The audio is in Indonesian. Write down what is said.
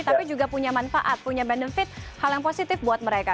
tapi juga punya manfaat punya benefit hal yang positif buat mereka